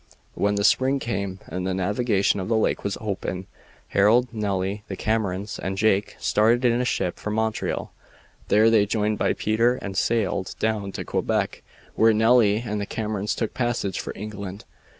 When the spring came and the navigation of the lake was open, Harold, Nelly, the Camerons, and Jake started in a ship for Montreal. There they were joined by Peter and sailed down to Quebec, where Nelly and the Camerons took passage for England.